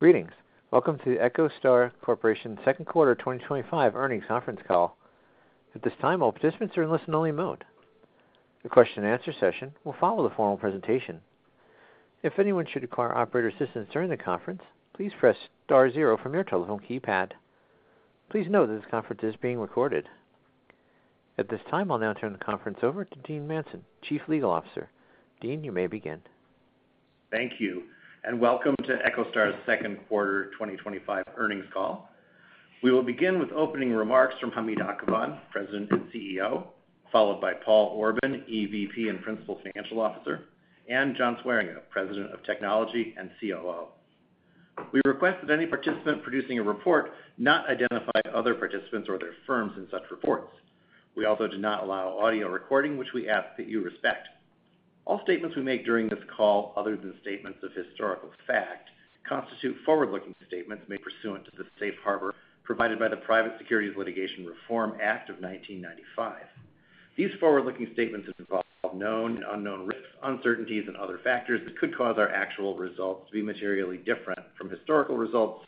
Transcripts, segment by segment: Greetings. Welcome to the EchoStar Corporation Second Quarter 2025 Earnings Conference Call. At this time, all participants are in listen only mode. The question and answer session will follow the formal presentation. If anyone should require operator assistance during the conference, please press Star zero from your telephone keypad. Please note that this conference is being recorded at this time. I'll now turn the conference over to Dean Manson, Chief Legal Officer. Dean, you may begin. Thank you and welcome to EchoStar's Second Quarter 2025 Earnings Call. We will begin with opening remarks from Hamid Akhavan, President and CEO, followed by Paul Orban, EVP and Principal Financial Officer, and John Swieringa, President of Technology and COO. We request that any participant producing a report not identify other participants or their firms in such reports. We also do not allow audio recording, which we ask that you respect. All statements we make during this call, other than statements of historical fact, constitute forward-looking statements made pursuant to the safe harbor provided by the Private Securities Litigation Reform Act of 1995. These forward-looking statements involve known and unknown risks, uncertainties, and other factors that could cause our actual results to be materially different from historical results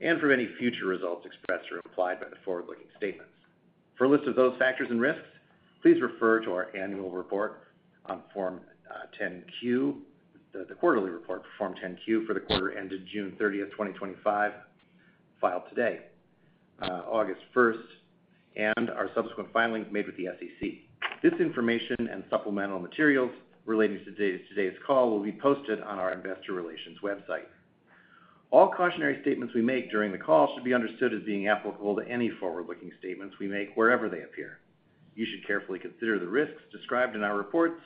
and from any future results expressed or implied by the forward-looking statements. For a list of those factors and risks, please refer to our annual report on Form 10-Q, the quarterly report for Form 10-Q for the quarter ended June 30, 2025, filed today, August 1, and our subsequent filings made with the SEC. This information and supplemental materials related to today's call will be posted on our investor relations website. All cautionary statements we make during the call should be understood as being applicable to any forward-looking statements we make wherever they appear. You should carefully consider the risks described in our reports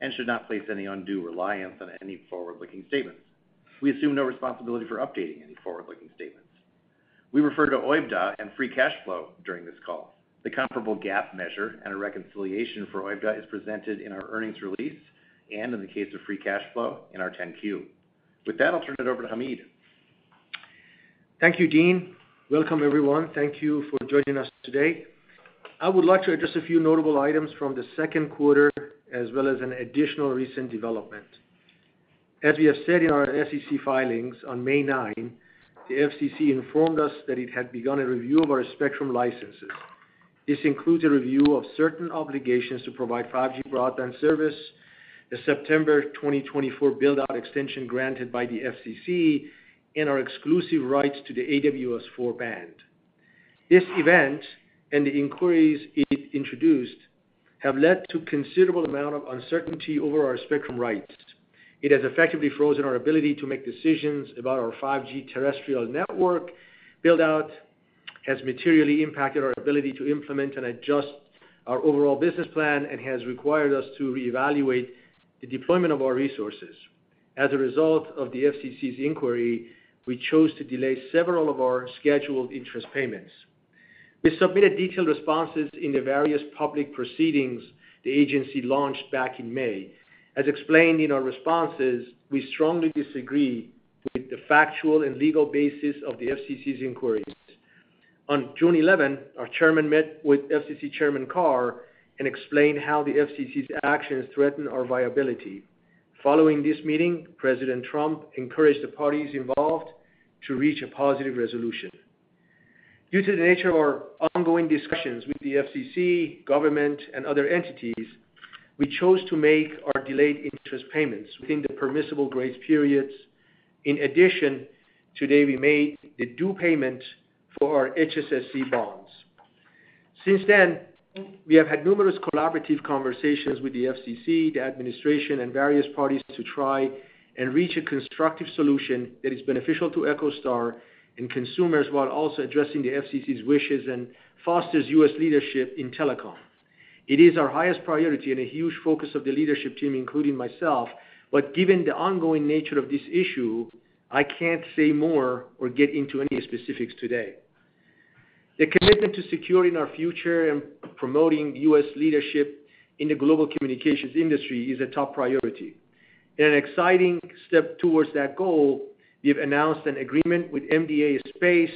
and should not place any undue reliance on any forward-looking statements. We assume no responsibility for updating any forward-looking statements. We refer to OIBDA and Free Cash Flow during this call. The comparable GAAP measure and a reconciliation for OIBDA is presented in our earnings release and in the case of Free Cash Flow in our 10-Q. With that, I'll turn it over to Hamid. Thank you, Dean. Welcome everyone. Thank you for joining us today. I would like to address a few notable items from the second quarter as well as an additional recent development. As we have said in our SEC filings, on May 9 the FCC informed us that it had begun a review of our spectrum licenses. This includes a review of certain obligations to provide 5G broadband service, the September 2024 buildout extension granted by the FCC, and our exclusive rights to the AWS-4 band. This event and the inquiries it introduced have led to a considerable amount of uncertainty over our spectrum rights. It has effectively frozen our ability to make decisions about our 5G terrestrial network buildout, has materially impacted our ability to implement and adjust our overall business plan, and has required us to reevaluate the deployment of our resources. As a result of the FCC's inquiry, we chose to delay several of our scheduled interest payments. We submitted detailed responses in the various public proceedings the agency launched back in May. As explained in our responses, we strongly disagree with the factual and legal basis of the FCC's inquiries. On June 11, our Chairman met with FCC Chairman Carr and explained how the FCC's actions threatened our viability. Following this meeting, President Trump encouraged the parties involved to reach a positive resolution. Due to the nature of our ongoing discussions with the FCC, government, and other entities, we chose to make our delayed interest payments within the permissible grace periods. In addition, today we made the due payment for our HSSC bonds. Since then, we have had numerous collaborative conversations with the FCC, the administration, and various parties to try and reach a constructive solution that is beneficial to EchoStar and consumers while also addressing the FCC's wishes and fosters U.S. leadership in telecom. It is our highest priority and a huge focus of the leadership team, including myself, but given the ongoing nature of this issue, I can't say more or get into any specifics today. The commitment to securing our future and promoting U.S. leadership in the global communications industry is a top priority. In an exciting step towards that goal, we have announced an agreement with MDA Space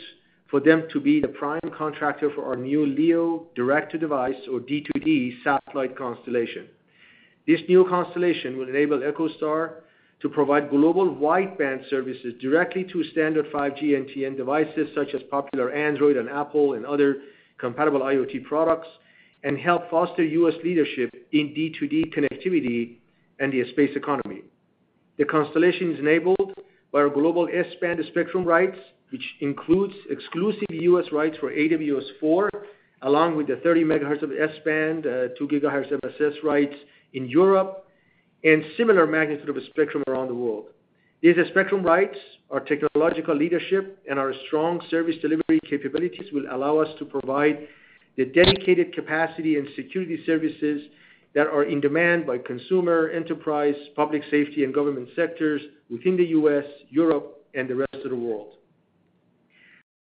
for them to be the prime contractor for our new LEO direct-to-device or D2D satellite constellation. This new constellation will enable EchoStar to provide global wideband services directly to standard 5G NTN devices such as popular Android and Apple and other compatible IoT products and help foster U.S. leadership in D2D connectivity and the space economy. The constellation is enabled by our global S-band spectrum rights, which includes exclusive U.S. rights for AWS-4 along with the 30 MHz of S band 2 GHz MSS rights in Europe and similar magnitude of spectrum around the world. These spectrum rights, our technological leadership, and our strong service delivery capabilities will allow us to provide the dedicated capacity and security services that are in demand by consumer, enterprise, public safety, and government sectors within the U.S., Europe, and the rest of the world.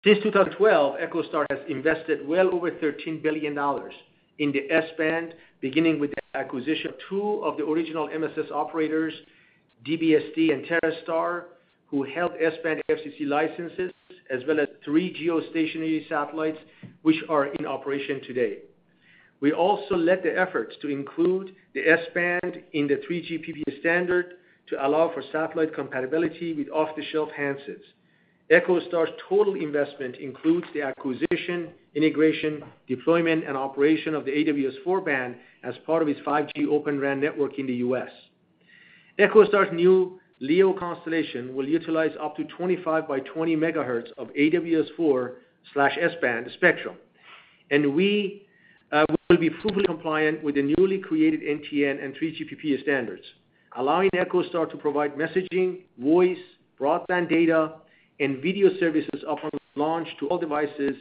Since 2012, EchoStar has invested well over $13 billion in the S-band, beginning with the acquisition of two of the original MSS operators, DBSD and TerreStar, who held S-band FCC licenses as well as three geostationary satellites which are in operation today. We also led the efforts to include the S- band in the 3GPP standard to allow for satellite compatibility with off-the-shelf handsets. EchoStar's total investment includes the acquisition, integration, deployment, and operation of the AWS-4 band as part of its 5G Open RAN network in the U.S. EchoStar's new LEO constellation will utilize up to 25 by 20 MHz of AWS-4 S band spectrum, and we will be fully compliant with the newly created NTN and 3GPP standards, allowing EchoStar to provide messaging, voice, broadband, data, and video services upon launch to all devices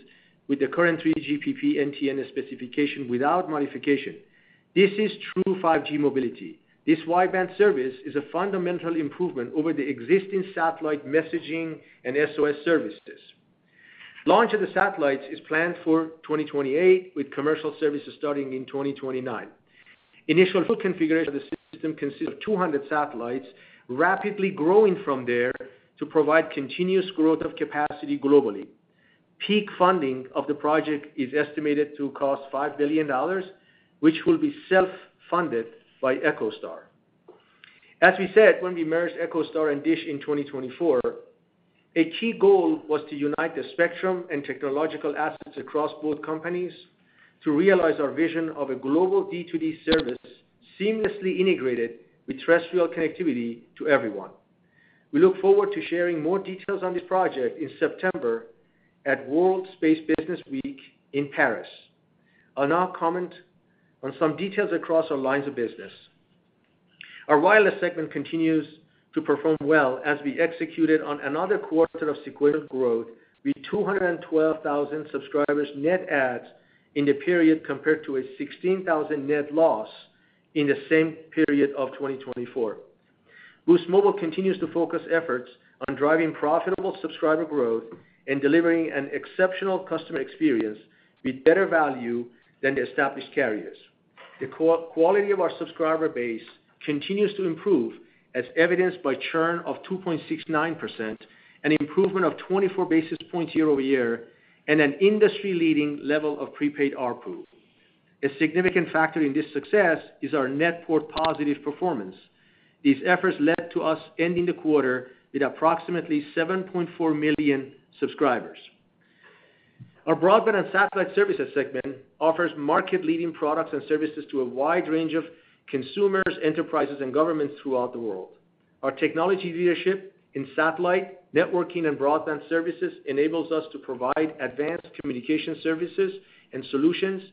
with the current 3GPP NTN specification. Without modification, this is true 5G mobility. This wideband service is a fundamental improvement over the existing satellite messaging and SOS services. Launch of the satellites is planned for 2028 with commercial services starting in 2029. Initial full configuration of the system consists of 200 satellites, rapidly growing from there to provide continuous growth of capacity globally. Peak funding of the project is estimated to cost $5 billion, which will be self-funded by EchoStar. As we said when we merged EchoStar and DISH in 2024, a key goal was to unite the spectrum and technological assets across both companies to realize our vision of a global D2D service seamlessly integrated with terrestrial connectivity to everyone. We look forward to sharing more details on this project in September at World Space Business Week in Paris. I'll now comment on some details across our lines of business. Our wireless segment continues to perform well as we executed on another quarter of sequential growth with 212,000 subscribers net adds in the period compared to a 16,000 net loss in the same period of 2024. Boost Mobile continues to focus efforts on driving profitable subscriber growth and delivering an exceptional customer experience with better value than the established carriers. The quality of our subscriber base continues to improve as evidenced by churn of 2.69%, an improvement of 24 basis points year-over-year and an industry leading level of prepaid ARPU. A significant factor in this success is our net port positive performance. These efforts led to us ending the quarter with approximately 7.4 million subscribers. Our broadband and satellite services segment offers market leading products and services to a wide range of consumers, enterprises, and governments throughout the world. Our technology leadership in satellite networking and broadband services enables us to provide advanced communication services and solutions,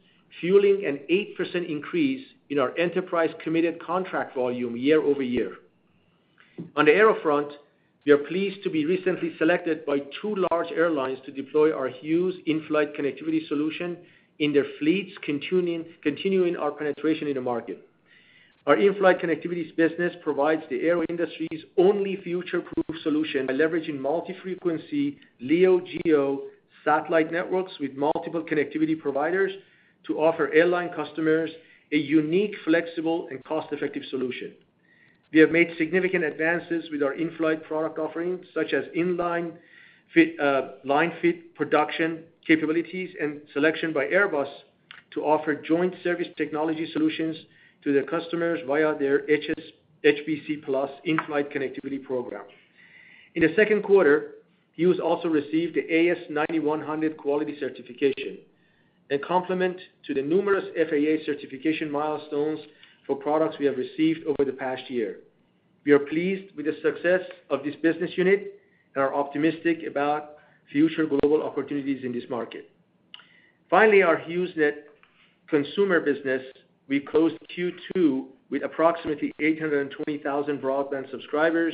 fueling an 8% increase in our enterprise committed contract volume year-over-year. On the aerofront. We are pleased to be recently selected by two large airlines to deploy our Hughes’ inflight connectivity solution in their fleets. Continuing our penetration in the market, our inflight connectivity business provides the air industry's only future proof solution by leveraging multi-frequency LEO-GEO satellite networks with multiple connectivity providers to offer airline customers a unique, flexible, and cost effective solution. We have made significant advances with our inflight product offerings such as inline, fit production capabilities and selection by Airbus to offer joint service technology solutions to their customers via their HPC inflight-connectivity program. In the second quarter, Hughes also received the AS9100 Quality certification, a complement to the numerous FAA certification milestones for products we have received over the past year. We are pleased with the success of this business unit and are optimistic about future global opportunities in this market. Finally, our HughesNet consumer business, we closed Q2 with approximately 820,000 broadband subscribers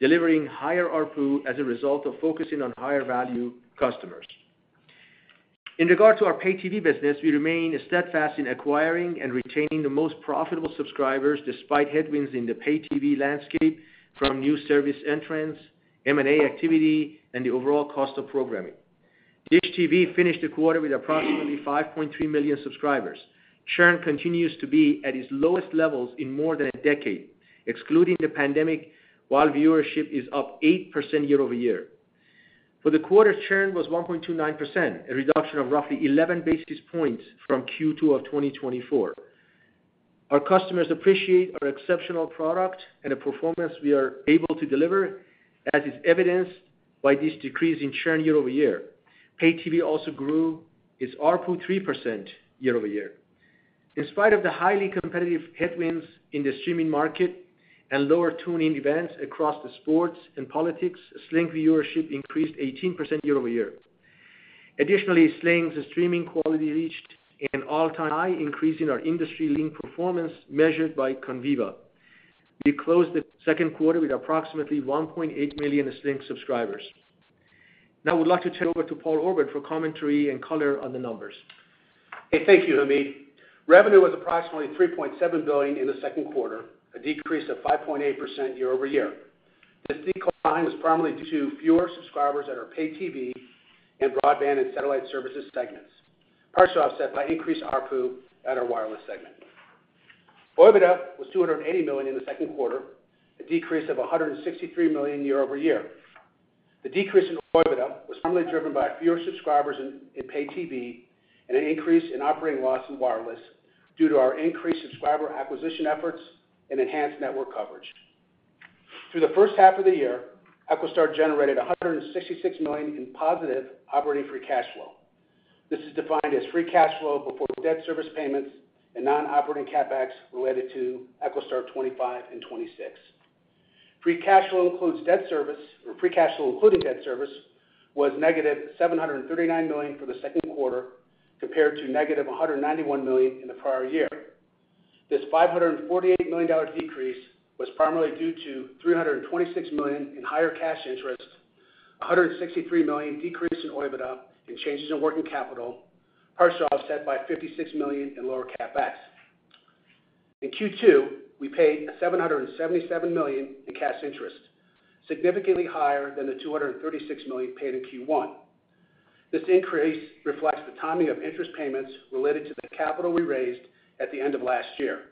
delivering higher ARPU as a result of focusing on higher value customers. In regard to our Pay TV business, we remain steadfast in acquiring and retaining the most profitable subscribers despite headwinds in the Pay TV landscape from new service entrants, M&A activity, and the overall cost of programming. DISH TV finished the quarter with approximately 5.3 million subscribers. Churn continues to be at its lowest levels in more than a decade excluding the pandemic, while viewership is up 8% year-over-year. For the quarter, churn was 1.29%, a reduction of roughly 11 basis points from Q2 of 2024. Our customers appreciate our exceptional product and the performance we are able to deliver as is evidenced by this decrease in churn year-over-year. Pay TV also grew its ARPU 3% year-over-year in spite of the highly competitive headwinds in the streaming market and lower tune-in events across sports and politics. Sling TV viewership increased 18% year-over-year. Additionally, Sling TV's streaming quality reached an all-time high, increasing our industry-linked performance measured by Conviva. We closed the second quarter with approximately 1.8 million Sling TV subscribers. Now I would like to turn it over to Paul Orban for commentary and color on the numbers. Thank you, Hamid Revenue was approximately $3.7 billion in the second quarter, a decrease of 5.8% year-over-year. This decline is primarily due to fewer subscribers at our pay TV, broadband, and satellite services segments, partially offset by increased. ARPU at our wireless segment OIBDA was $280 million in the second quarter, a decrease of $163 million year-over-year. The decrease in OIBDA was primarily driven by fewer subscribers in pay TV and an increase in operating loss in wireless due to our increased subscriber acquisition efforts and enhanced network coverage. Through the first half of the year, EchoStar generated $166 million in positive operating free cash flow. This is defined as free cash flow before debt service payments and non-operating CapEx related to EchoStar 25 and 26. Free cash flow includes debt service or free cash flow including debt service was -$739 million for the second quarter compared to -$191 million in the prior year. This $548 million decrease was primarily due to $326 million in higher cash interest, $163 million decrease in OIBDA and changes in working capital, partially offset by $56 million in lower CapEx. In Q2 we paid $777 million in cash interest, significantly higher than the $236 million paid in Q1. This increase reflects the timing of interest payments related to the capital we raised at the end of last year.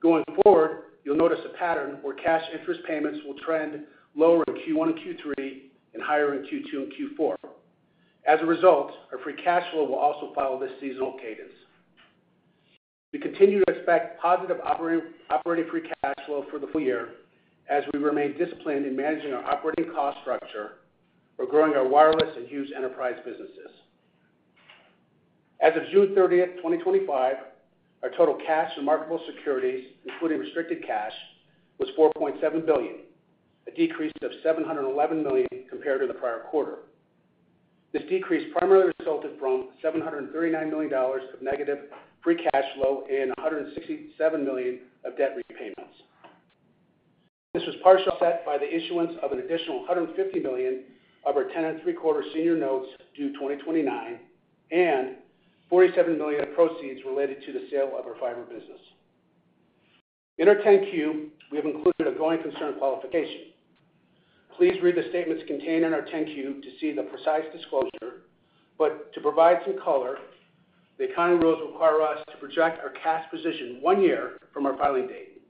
Going forward, you'll notice a pattern where cash interest payments will trend lower in Q1 and Q3 and higher in Q2 and Q4. As a result, our free cash flow will also follow this seasonal cadence. We continue to expect positive operating free cash flow for the full year as we remain disciplined in managing our operating cost structure regarding our wireless and Hughes Enterprise businesses. As of June 30, 2025, our total cash and marketable securities, including restricted cash, was $4.7 billion, a decrease of $711 million compared to the prior quarter. This decrease primarily resulted from $739 million of negative free cash flow and $167Million of debt repayments. This was partially offset by the issuance of an additional $150 million of our 10.75% senior notes due 2029 and $47 million of proceeds related to the sale of our fiber business.In our 10-Q we have included a going concern qualification. Please read the statements contained in our 10-Q to see the precise disclosure, but to provide some color. The accounting rules require us to project our cash position one year from our filing date.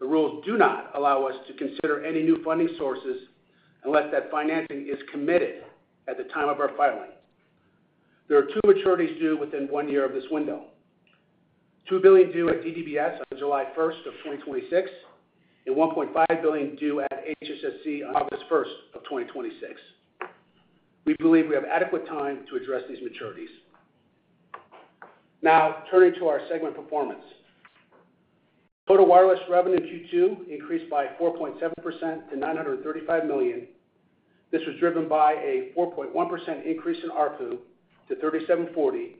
The rules do not allow us to consider any new funding sources unless that financing is committed at the time of our filing. There are two maturities due within one year of this window, $2 billion due at DDBs on July 1, 2026, and $1.5 billion due at HSSC on August 1, 2026. We believe we have adequate time to address these maturities. Now turning to our segment performance, total Wireless revenue in Q2 increased by 4.7% to $935 million. This was driven by a 4.1% increase in ARPU to $37.40,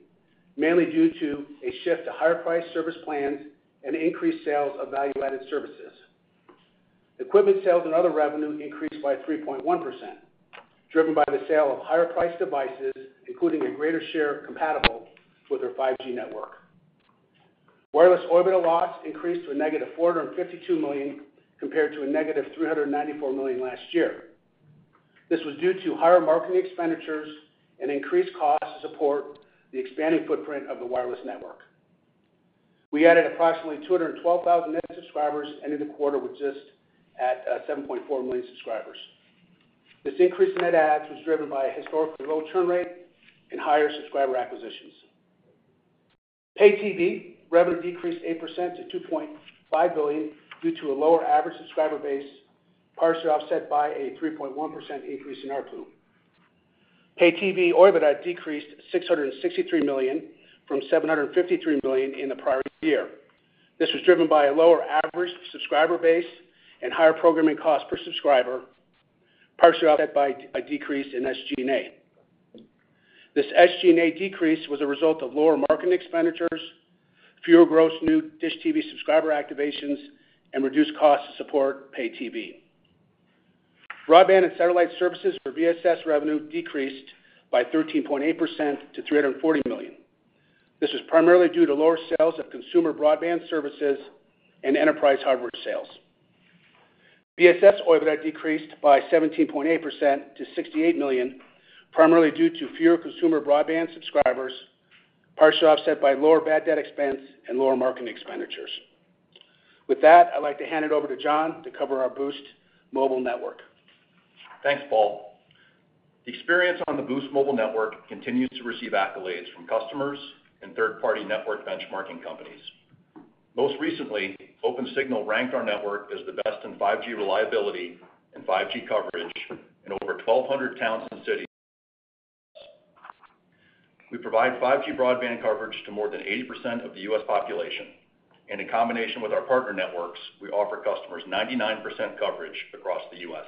mainly due to a shift to higher price service plans and increased sales of value added services. Equipment sales and other revenue increased by 3.1%, driven by the sale of higher priced devices including a greater share compatible with our 5G network. Wireless orbital loss increased to a -$452 million compared to a -$394 million last year. This was due to higher marketing expenditures and increased costs to support the expanding footprint of the wireless network. We added approximately 212,000 net subscribers and ended the quarter with just at 7.4 million subscribers. This increase in net adds was driven by a historically low churn rate and higher subscriber acquisitions. Pay TV revenue decreased 8% to $2.5 billion due to a lower average subscriber base, partially offset by a 3.1% increase in ARPU. Pay TV OIBDA decreased $663 million from $753 million in the prior year. This was driven by a lower average subscriber base and higher programming cost per subscriber, partially offset by a decrease in SG&A. This SG&A decrease was a result of lower marketing expenditures, fewer gross new DISH TV subscriber activations, and reduced costs to support Pay TV. Broadband and satellite services for BSS, revenue decreased by 13.8% to $340 million. This was primarily due to lower sales of consumer broadband services and enterprise hardware sales. BSS OIBDA decreased by 17.8% to $68 million, primarily due to fewer consumer broadband subscribers, partially offset by lower bad debt expense and lower marketing expenditures. With that, I'd like to hand it over to John to cover our Boost Mobile network. Thanks Paul. The experience on the Boost Mobile Network continues to receive accolades from customers and third-party network benchmarking companies. Most recently, Opensignal ranked our network as the best in 5G reliability and 5G coverage in over 1,200 towns and cities. We provide 5G broadband coverage to more than 80% of the U.S. population, and in combination with our partner networks, we offer customers 99% coverage across the U.S.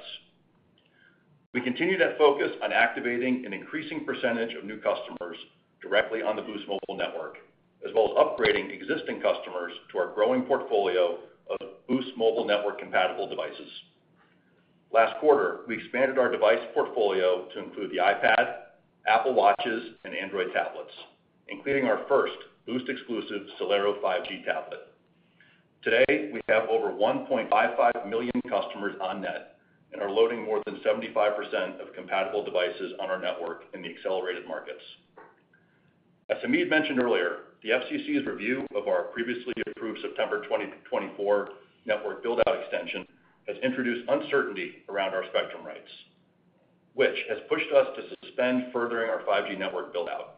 We continue to focus on activating an increasing percentage of new customers directly on the Boost Mobile Network as well as upgrading existing customers to our growing portfolio of Boost Mobile Network compatible devices. Last quarter, we expanded our device portfolio to include the iPad, Apple Watches, and Android tablets, including our first Boost exclusive Celero 5G tablet. Today, we have over 1.55 million customers on net and are loading more than 75% of compatible devices on our network in the accelerated markets. As Hamid mentioned earlier, the FCC's review of our previously approved September 2024 network buildout extension has introduced uncertainty around our spectrum rights, which has pushed us to suspend furthering our 5G network buildout.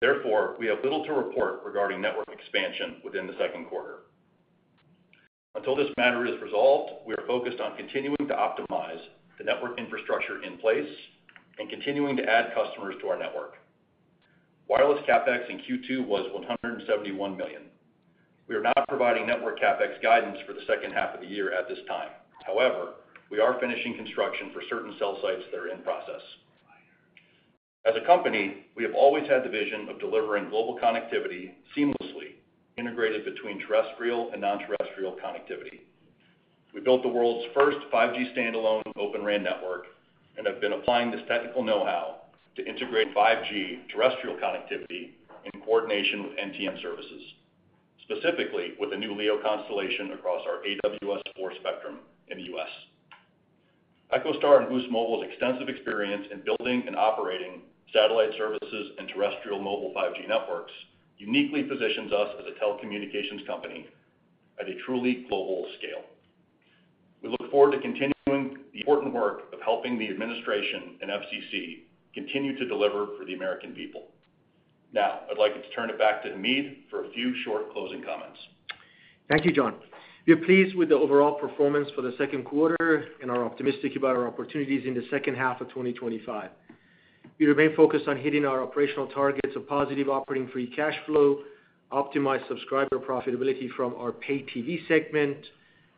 Therefore, we have little to report regarding network expansion within the second quarter. Until this matter is resolved, we are focused on continuing to optimize the network infrastructure in place and continuing to add customers to our network. Wireless CapEx in Q2 was $171 million. We are not providing network CapEx guidance for the second half of the year at this time. However, we are finishing construction for certain cell sites that are in process. As a company, we have always had the vision of delivering global connectivity seamlessly integrated between terrestrial and non-terrestrial connectivity. We built the world's first 5G standalone open RAN network and have been applying this technical know-how to integrate 5G terrestrial connectivity in coordination with NTN services, specifically with the new LEO constellation across our AWS-4 spectrum in the U.S. EchoStar and Boost Mobile's extensive experience in building and operating satellite services and terrestrial mobile 5G networks uniquely positions us as a telecommunications company at a truly global scale. We look forward to continuing the important work of helping the administration and FCC continue to deliver for the American people. Now I'd like to turn it back to Hamid for a few short closing comments. Thank you, John. We are pleased with the overall performance for the second quarter and are optimistic about our opportunities in the second half of 2025. We remain focused on hitting our operational targets of positive operating free cash flow, optimized subscriber profitability from our pay TV segment,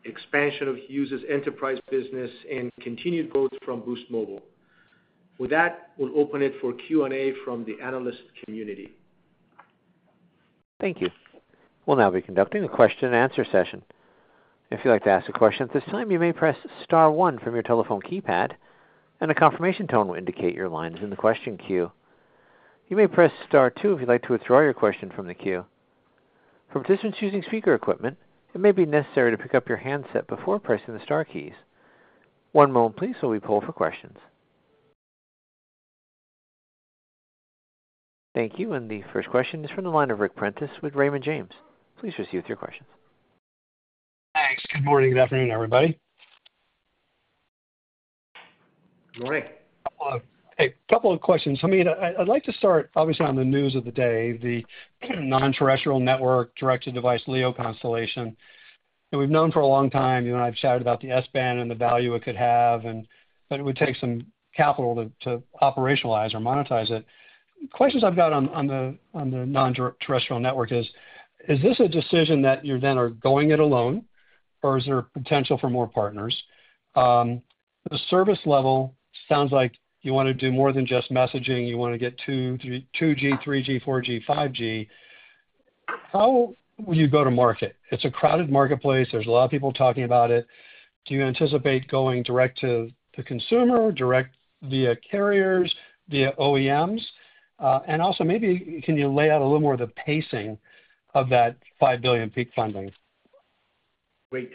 expansion of Hughes Enterprise business, and continued growth from Boost Mobile. With that, we'll open it for Q and A from the analyst community. Thank you. We'll now be conducting a question and answer session. If you'd like to ask a question at this time, you may press star one from your telephone keypad and a confirmation tone will indicate your line is in the question queue. You may press star two if you'd like to withdraw your question from the queue. For participants using speaker equipment, it may be necessary to pick up your handset before pressing the star keys. One moment please as we poll for questions. Thank you. The first question is from the line of Ric Prentiss with Raymond James. Please proceed with your questions. Thanks. Good morning. Good afternoon, everybody. Good morning. A couple of questions, Hamid. I'd like to start, obviously, on the news of the day, the Non-Terrestrial Network direct-to-device LEO constellation and we've known for a long time you and I have chatted about the S-band and the value it could have, but it would take some capital to operationalize or monetize it. Questions I've got on the non-terrestrial network is is this a decision that you then are going it alone or is there potential for more partners? The service level sounds like you want to do more than just messaging. You want to get 2G, 3G, 4G, 5G. How will you go to market? It's a crowded marketplace. There's a lot of people talking about it. Do you anticipate going direct to the consumer? Direct via carriers, via OEMs, and also maybe can you lay out a little more of the pacing of that $5 billion peak funding? Great.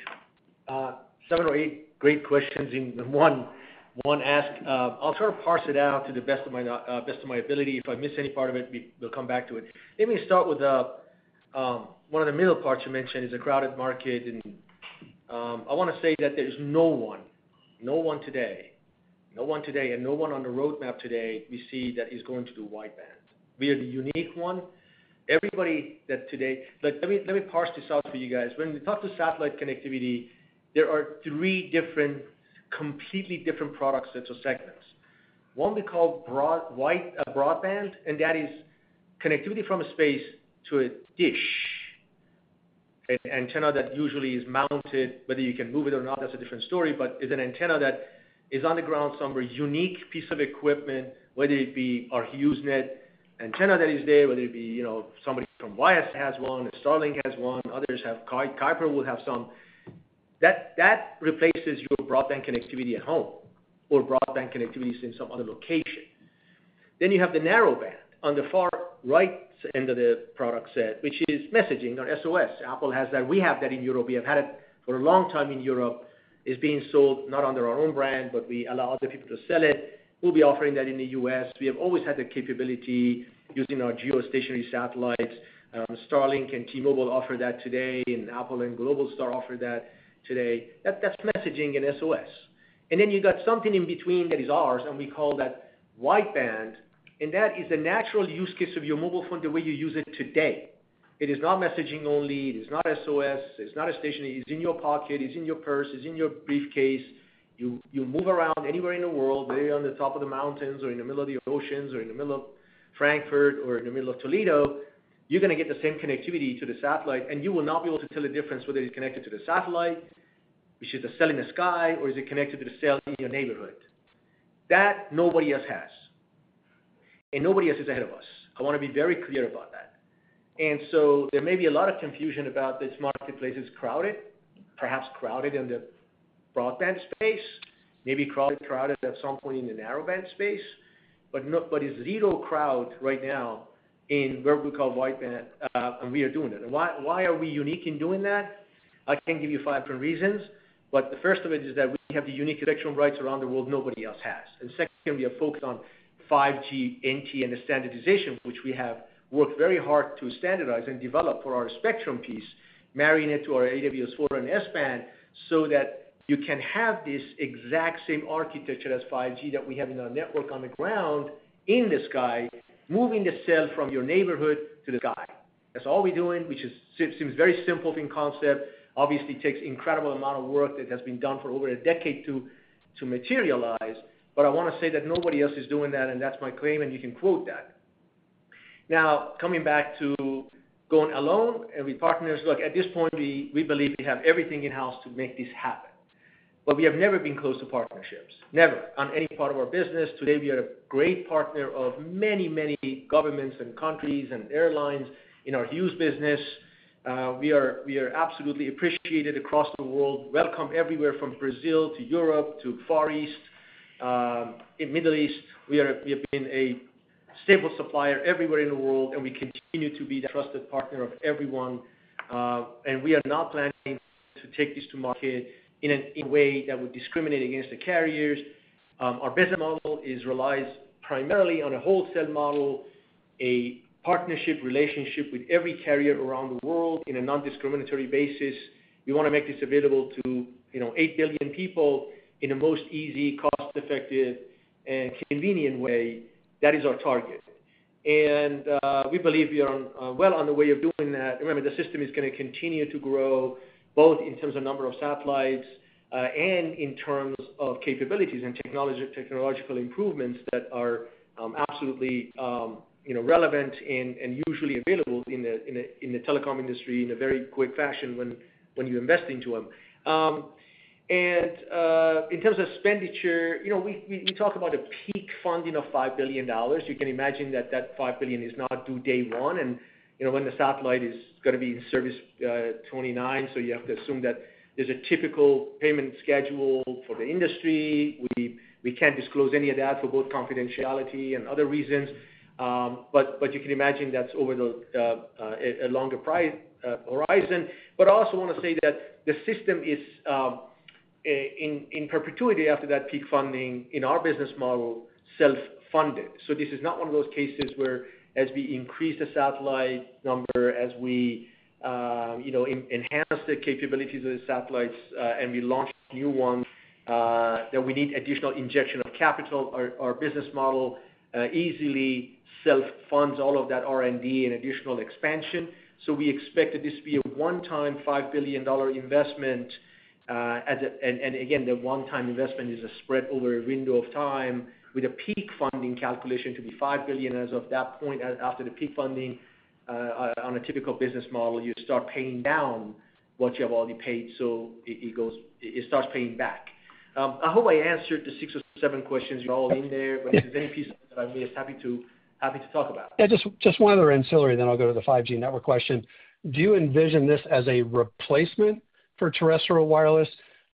Seven or eight great questions in one. I'll try to parse it out to the best of my ability. If I miss any part of it, come back to it. Let me start with one of the middle parts. You mentioned it is a crowded market, and I want to say that there is no one, no one today, no one today and no one on the roadmap today we see that is going to do wideband. We are the unique one everybody that today. Let me parse this out for you guys. When we talk to satellite connectivity, there are three different, completely different products into segments. One we call broadband, and that is connectivity from space to a dish. An antenna that usually is mounted, whether you can move it or not, that's a different story, but it is an antenna that is on the ground somewhere, unique piece of equipment. Whether it be our HughesNet antenna that is there, whether it be somebody from Wyeth has one, Starlink has one, others have Kuiper will have some that replaces your broadband connectivity at home or broadband connectivity in some other location. Then you have the narrowband on the far right end of the product set, which is messaging or SOS. Apple has that. We have that in Europe. We have had it for a long time in Europe. It's being sold not under our own brand, but we allow other people to sell it. We'll be offering that in the U.S. We have always had the capability using our geostationary satellites. Starlink and T-Mobile offer that today, and Apple and Globalstar offer that today. That's messaging and SOS. Then you got something in between that is ours, and we call that wideband, and that is a natural use case of your mobile phone, the way you use it today. It is not messaging only. It is not SOS. It's not a station. It's in your pocket, it's in your purse, it's in your briefcase. You move around anywhere in the world, on the top of the mountains or in the middle of the oceans, or in the middle of Frankfurt or in the middle of Toledo, you're going to get the same connectivity to the satellite, and you will not be able to tell the difference whether it's connected to the satellite, which is the cell in the sky, or is it connected to the cell in your neighborhood. That nobody else has, and nobody else is ahead of us. I want to be very clear about that. There may be a lot of confusion about this. Marketplace is crowded, perhaps crowded in the broadband space, maybe crowded at some point in the narrowband space, but it's zero crowd right now in where we call wideband. We are doing it. Why are we unique in doing that? I can't give you five reasons, but the first of it is that we have the unique spectrum rights around the world nobody else has. Second, we have focused on 5G NTN and the standardization which we have worked very hard to standardize and develop for our spectrum piece, marrying it to our AWS-4 and S-band so that you can have this exact same architecture as 5G that we have in our network, on the ground, in the sky. Moving the cell from your neighborhood to that's all we're doing, which seems very simple in concept. Obviously, it takes an incredible amount of work that has been done for over a decade to materialize. I want to say that nobody else is doing that and that's my claim. You can quote that. Now, coming back to going alone and with partners, at this point we believe we have everything in house to make this happen. We have never been close to partnerships, never on any part of our business. Today we are a great partner of many, many governments and countries and airlines. In our Hughes business, we are absolutely appreciated across the world, welcome everywhere from Brazil to Europe to Far East, in Middle East, we have been a stable supplier everywhere in the world. We continue to be the trusted partner of everyone. We are not planning to take this to market in a way that would discriminate against the carriers. Our business model relies primarily on a wholesale model, a partnership relationship with every carrier around the world on a non-discriminatory basis. We want to make this available to 8 billion people in the most easy, cost-effective and convenient way. That is our target and we believe we are well on the way of doing that. Remember, the system is going to continue to grow both in terms of number of satellites and in terms of capabilities and technological improvements that are absolutely relevant and usually available in the telecom industry in a very quick fashion when you invest into them. In terms of expenditure, we talk about a peak funding of $5 billion. You can imagine that $5 billion is not due day one and when the satellite is going to be in service, 2029. You have to assume that there's a typical payment schedule for the industry. We can't disclose any of that for both confidentiality and other reasons, but you can imagine that's over a longer horizon. I also want to say that the system is in perpetuity after that peak funding in our business model, self funded. This is not one of those cases where as we increase the satellite number, as we enhance the capabilities of the satellites and we launch new ones, that we need additional injection of capital. Our business model easily self funds all of that R&D and additional expansion. We expect that this be a one time $5 billion investment. Again, the one time investment is spread over a window of time with a peak funding calculation to be $5 billion as of that point. After the peak funding, on a typical business model, you start paying down what you have already paid, so it starts paying back. I hope I answered the six or seven questions. They're all in there. If there's any pieces that I'm just happy to talk about, just one. Other ancillary, I'll go to the 5G network question. Do you envision this as a replacement for terrestrial wireless,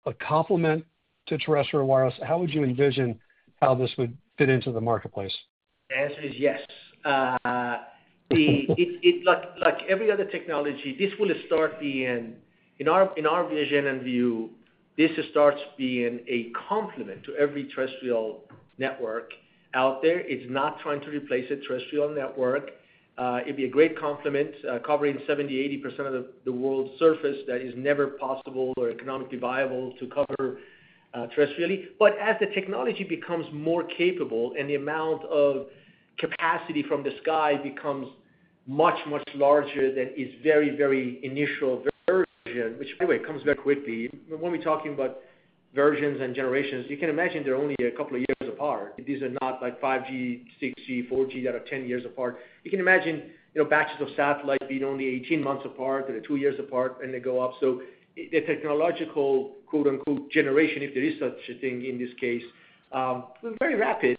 a complement to terrestrial wireless? How would you envision how this would fit into the marketplace? The answer is yes. Like every other technology, this will start being, in our vision and view, this starts being a complement to every terrestrial network out there. It's not trying to replace a terrestrial network. It'd be a great complement. Covering 70%-80% of the world's surface, that is never possible or economically viable to cover terrestrially. As the technology becomes more capable and the amount of capacity from the sky becomes much, much larger than its very, very initial version, which, by the way, comes very quickly when we're talking about versions and generations, you can imagine they're only a couple of years apart. These are not like 5G, 6G, 4G that are 10 years apart. You can imagine batches of satellites being only 18 months apart or two years apart and they go up. The technological [generation], if there is such a thing in this case, is very rapid.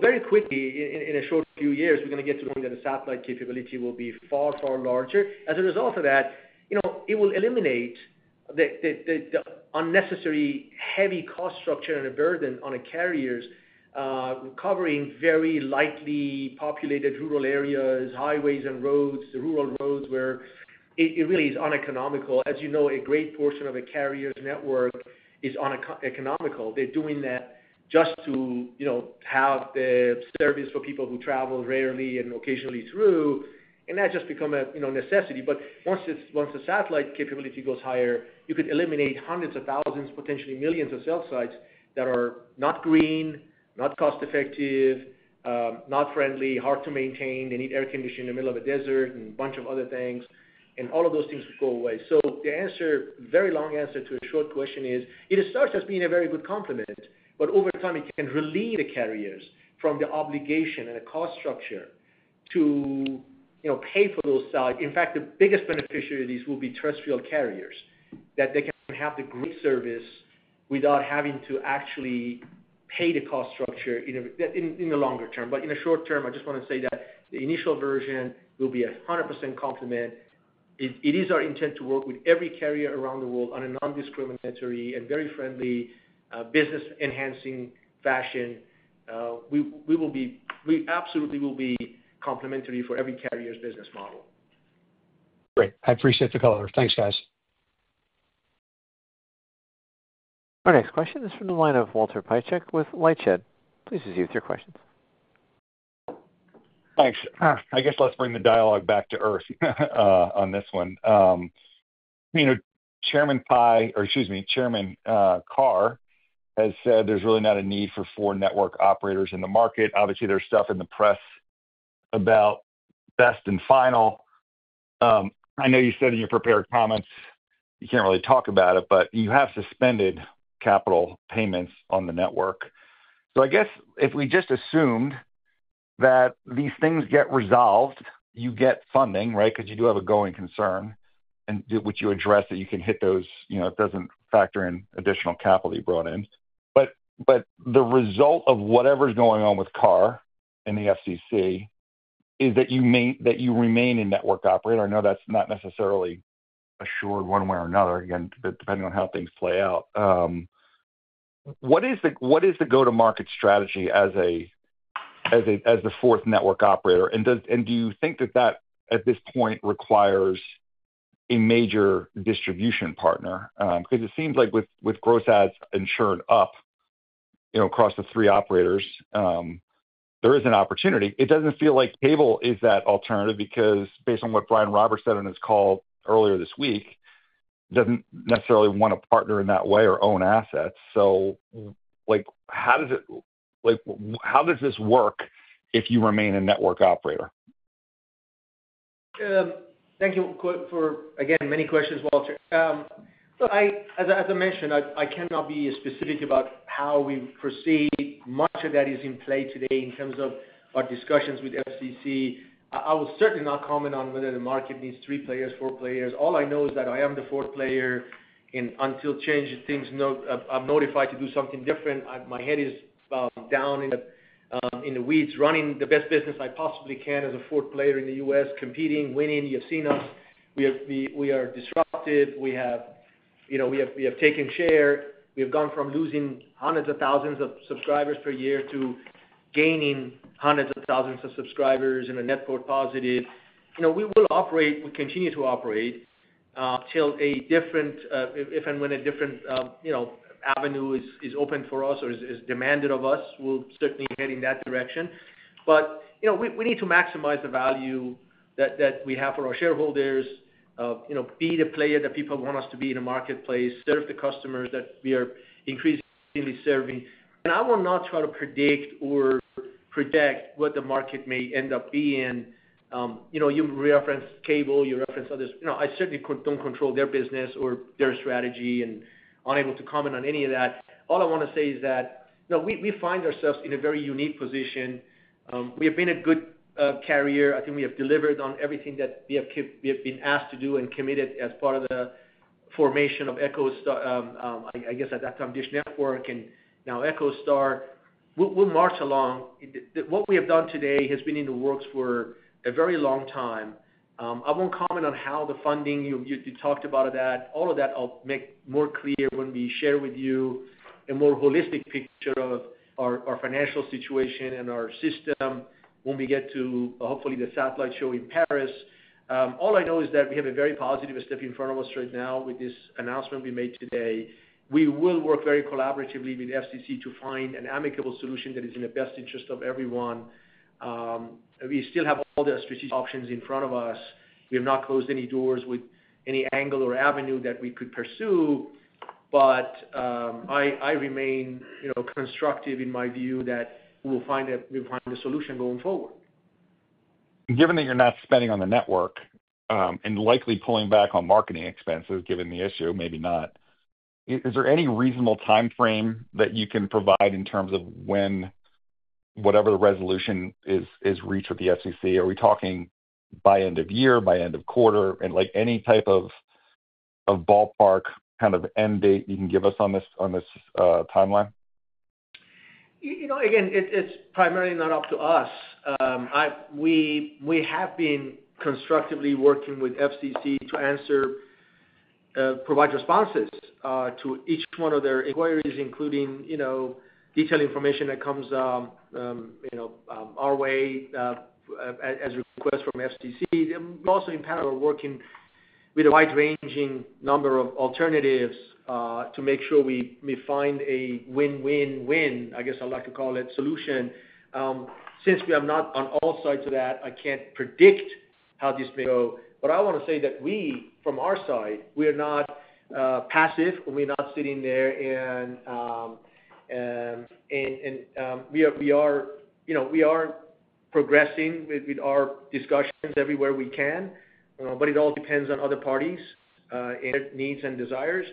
Very quickly, in a short few years, we're going to get to the point where the satellite capability will be far, far larger as a result of that. It will eliminate the unnecessary heavy cost structure and a burden on a carrier covering very lightly populated rural areas, highways and roads, rural roads, where it really is uneconomical. As you know, a great portion of a carrier's network is uneconomical. They're doing that just to have the service for people who travel rarely and occasionally through, and that just becomes a necessity. Once the satellite capability goes higher, you could eliminate hundreds of thousands, potentially millions, of cell sites that are not green, not cost effective, not friendly, hard to maintain, they need air conditioning in the middle of a desert and a bunch of other things, and all of those things go away. The answer, very long answer to a short question, is it starts as being a very good complement, but over time it can relieve the carriers from the obligation and the cost structure to pay for those. In fact, the biggest beneficiary of these will be terrestrial carriers, that they can have the great service without having to actually pay the cost structure in the longer term. In the short term, I just want to say that the initial version will be 100% complement. It is our intent to work with every carrier around the world on a non-discriminatory and very friendly, business-enhancing fashion. We absolutely will be complementary for every carrier's business model. Great. I appreciate the color. Thanks, guys. Our next question is from the line of Walter Piecyk with LightShed. Please proceed with your questions. Thanks. I guess let's bring the dialogue back to earth on this one. Chairman Pie, or excuse me, Chairman Carr has said there's really not a need for four network operators in the market. Obviously there's stuff in the press about best and final. I know you said in your prepared comments you can't really talk about it, but you have suspended capital payments on the network. I guess if we just assumed that these things get resolved, you get funding, right? Because you do have a going concern which you address that you can hit those, you know, it doesn't factor in additional capital you brought in. But. The result of whatever's going on with Carr and the FCC is that you remain a network operator. I know that's not necessarily assured one way or another, depending on how things play out. What is the go to market strategy as the fourth network operator? Do you think that at this point it requires a major distribution partner? It seems like with gross adds insured up across the three operators, there is an opportunity. It doesn't feel like cable is that alternative because based on what Brian Roberts said on his call earlier this week, he doesn't necessarily want to partner in that way or own assets. How does this work if you. Remain a network operator? Thank you for, again, many questions. Walter, as I mentioned, I cannot be specific about how we proceed. Much of that is in play today in terms of our discussions with the FCC. I will certainly not comment on whether the market needs three players, four players. All I know is that I am the fourth player, and until things change, I'm notified to do something different. My head is down in the weeds running the best business I possibly can as a fourth player in the U.S., competing, winning. You've seen us, we are disruptive. We have taken share. We have gone from losing hundreds of thousands of subscribers per year to gaining hundreds of thousands of subscribers in a net code positive. We will operate, we continue to operate till, if and when a different avenue is open for us or is demanded of us, we'll certainly head in that direction. We need to maximize the value that we have for our shareholders, be the player that people want us to be in a marketplace, serve the customers that we are increasingly serving. I will not try to predict or project what the market may end up being. You know, you referenced cable, you referenced others. I certainly don't control their business or their strategy and am unable to comment on any of that. All I want to say is that we find ourselves in a very unique position. We have been a good carrier. I think we have delivered on everything that we have been asked to do and committed as part of the formation of EchoStar. I guess at that time DISH Network and now EchoStar. We'll march along. What we have done today has been in the works for a very long time. I won't comment on how the funding, you talked about that, all of that. I'll make more clear when we share with you a more holistic picture of our financial situation and our system when we get to, hopefully, the satellite show in Paris. All I know is that we have a very positive step in front of us right now with this announcement we made today. We will work very collaboratively with the FCC to find an amicable solution that is in the best interest of everyone. We still have all the strategic options in front of us. We have not closed any doors with any angle or avenue that we could pursue. I remain constructive in my view that we'll find a solution going forward. Given that you're not spending on the network and likely pulling back on marketing expenses, given the issue, maybe not. Is there any reasonable time frame that you can provide in terms of when whatever the resolution is reached with the SEC? Are we talking by end of year, by end of quarter, and any type of ballpark kind of end date you can give us on this timeline? You know, again, it's primarily not up to us. We have been constructively working with the FCC to answer, provide responses to each one of their inquiries, including detailed information that comes our way as requests from the FCC. Also, in parallel, we're working with a wide-ranging number of alternatives to make sure we find a win, win, win, I guess I like to call it since we are not on all sides of that. I can't predict how this may go, but I want to say that from our side, we are not passive, we're not sitting there, and we are progressing with our discussions everywhere we can. It all depends on other parties' needs and desires.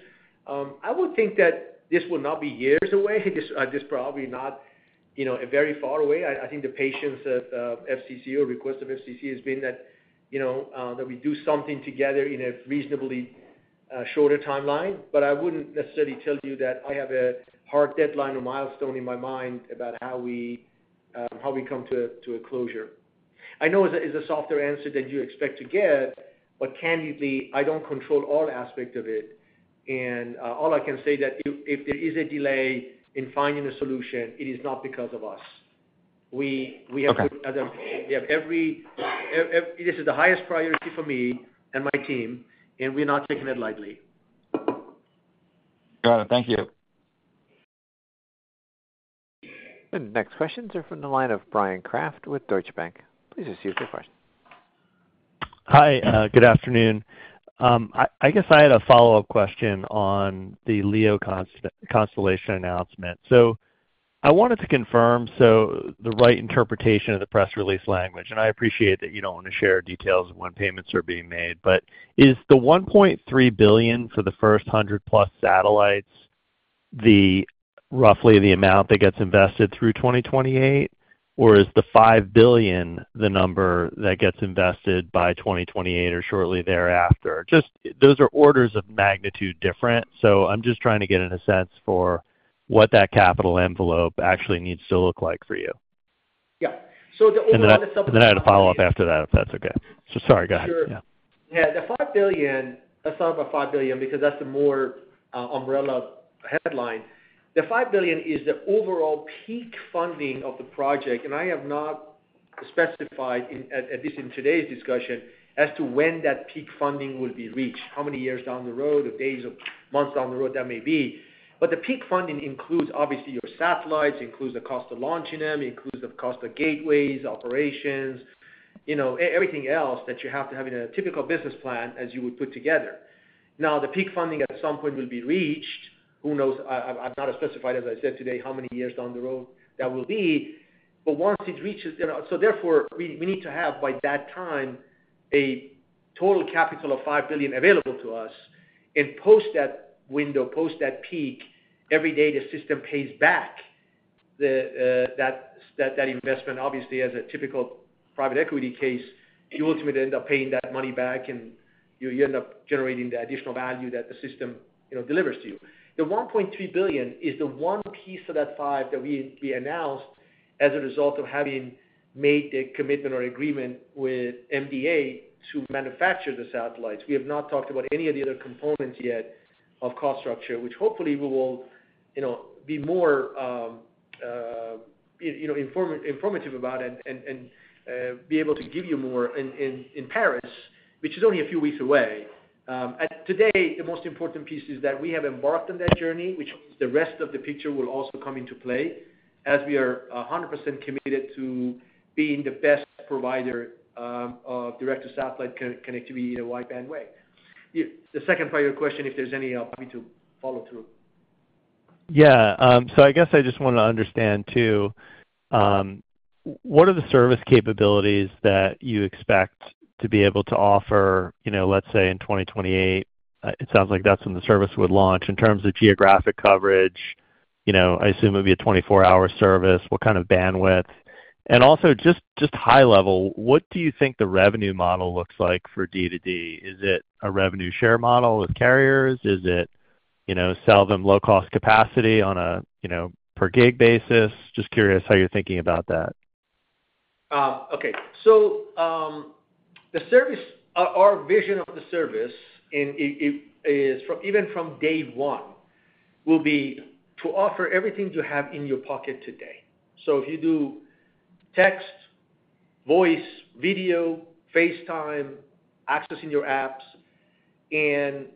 I would think that this will not be years away. This is probably not very far away. I think the patience of the FCC or request of the FCC has been that we do something together in a reasonably shorter timeline. I wouldn't necessarily tell you that I have a hard deadline or milestone in my mind about how we come to a closure. I know it's a softer answer than you expect to get, but candidly I don't control all aspects of it. All I can say is that if there is a delay in finding a solution, it is not because of us. This is the highest priority for me and my team, and we are not taking it lightly. Got it, thank you. The next questions are from the line of Bryan Kraft with Deutsche Bank. Please receive your question. Hi, good afternoon. I guess I had a follow-up question on the LEO constellation announcement. I wanted to confirm the right interpretation of the press release language. I appreciate that you don't want to share details when payments are being made, but is the $1.3 billion for the first 100+ satellites roughly the amount that gets invested through 2028, or is the $5 billion the number that gets invested by 2028 or shortly thereafter? Just. Those are orders of magnitude different. I'm just trying to get a sense for what that capital envelope actually needs to look like for you. Yeah, the only one then... I Had a follow up after that if that's okay. Sorry, go ahead. Yeah, the $5 billion. Let's talk about $5 billion because that's the more umbrella headline. The $5 billion is the overall peak funding of the project. I have not specified, at least in today's discussion, as to when that peak funding will be reached. How many years down the road or days or months down the road that may be, but the peak funding includes obviously your satellites, includes the cost of launching them, includes the cost of gateways, operations, you know, everything else that you have to have in a typical business plan as you would put together. Now the peak funding at some point will be reached. Who knows? I've not specified, as I said today, how many years down the road that will be, but once it reaches. Therefore, we need to have by that time a total capital of $5 billion available to us and post that window, post that peak, every day the system pays back that investment. Obviously, as a typical private equity case, you ultimately end up paying that money back and you end up generating the additional value that the system delivers to you. The $1.3 billion is the one piece of that five that we announced as a result of having made the commitment or agreement with MDA Space to manufacture the satellites. We have not talked about any of the other components yet of cost structure, which hopefully we will be more informative about and be able to give you more in Paris, which is only a few weeks away. Todat the most important piece is that we have embarked on that journey, which the rest of the picture will also come into play as we are 100% committed to being the best provider of direct to satellite connectivity in a wideband way. The second part of your question, if there's any follow through. I just want to understand too, what are the service capabilities that you expect to be able to offer, let's say in 2028. It sounds like that's when the service would launch. In terms of geographic coverage, I assume it would be a 24-hour service. What kind of bandwidth, and also just high level, what do you think the revenue model looks like for D2D? Is it a revenue share model with carriers? Is it, you know, sell them low cost capacity on a per gig basis? Just curious how you're thinking about that. Okay, so the service, our vision of the service is from even from day one will be to offer everything you have in your pocket today. If you do text, voice, video, FaceTime, accessing your apps and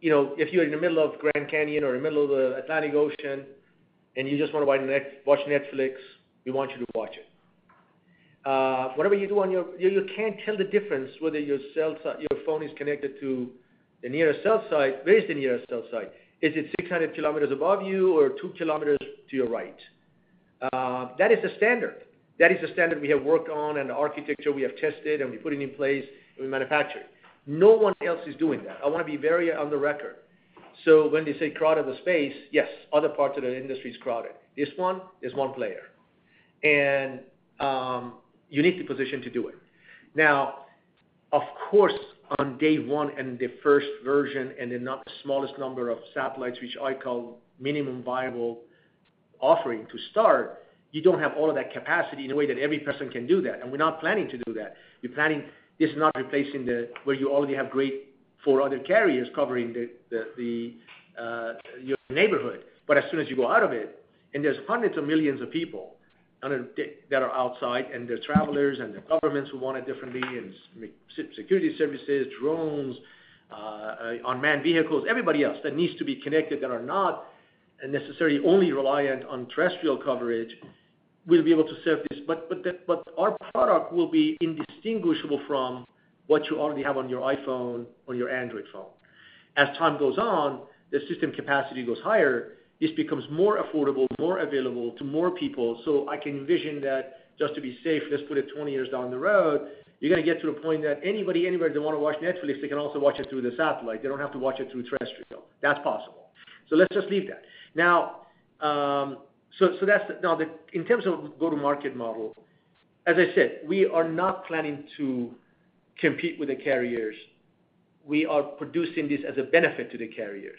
you know, if you're in the middle of Grand Canyon or in the middle of the Atlantic Ocean and you just want to watch Netflix, we want you to watch it. Whatever you do on your, you can't tell the difference whether your cell, your phone is connected to the nearest cell site. Where is the nearest cell site? Is it 600 km above you or 2 km to your right? That is the standard. That is the standard we have worked on and the architecture we have tested and we put it in place, we manufacture it. No one else is doing that. I want to be very on the record. When they say crowded the space, yes, other parts of the industry is crowded. This one is one player and you need to position to do it. Now of course on day one and the first version and then not the smallest number of satellites, which I call minimum viable offering to start, you don't have all of that capacity in a way that every person can do that. We're not planning to do that. We're planning this is not replacing the, where you already have great four other carriers covering your neighborhood. As soon as you go out of it and there's hundreds of millions of people that are outside and the travelers and the governments who want it differently and security services, drones, unmanned vehicles, everybody else that needs to be connected, that are not and necessarily only reliant on terrestrial coverage, we'll be able to serve this. Our product will be indistinguishable from what you already have on your iPhone or your Android phone. As time goes on, the system capacity goes higher. This becomes more affordable, more available to more people. I can envision that just to be safe, let's put it 20 years down the road. You're going to get to the point that anybody, anywhere they want to watch Netflix, they can also watch it through the satellite. They don't have to watch it through terrestrial. That's possible. Let's just leave that now. In terms of go to market model, as I said, we are not planning to compete with the carriers. We are producing this as a benefit to the carriers.